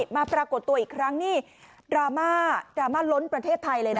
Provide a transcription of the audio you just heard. ปรากฏตัวอีกครั้งนี่ดราม่าดราม่าล้นประเทศไทยเลยนะ